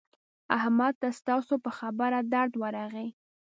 احمد ته ستاسو په خبره درد ورغی.